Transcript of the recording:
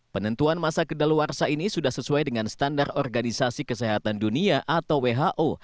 penentuan masa kedaluarsa ini sudah sesuai dengan standar organisasi kesehatan dunia atau who